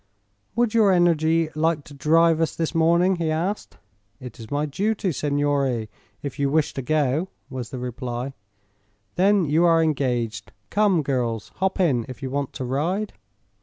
"Would your energy like to drive us this morning?" he asked. "It is my duty, signore, if you wish to go," was the reply. "Then you are engaged. Come, girls; hop in, if you want to ride."